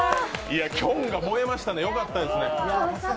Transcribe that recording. きょんが燃えましたね、よかったですね。